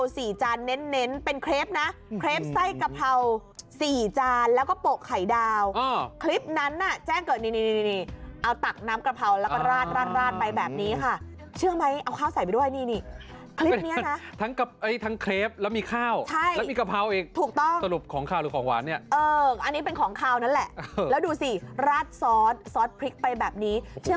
สี่จานแล้วก็โปะไข่ดาวอ๋อคลิปนั้นน่ะแจ้งเกิดนี่นี่นี่นี่เอาตักน้ำกระเพราแล้วก็ราดราดราดไปแบบนี้ค่ะเชื่อไหมเอาข้าวใส่ไปด้วยนี่นี่คลิปเนี้ยนะทั้งกับเอ้ยทั้งเครพแล้วมีข้าวใช่แล้วมีกระเพราเองถูกต้องสรุปของขาวหรือของหวานเนี้ยเอออันนี้เป็นของขาวนั้นแหละแล้